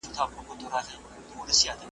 زما یوه خواخوږي دوست .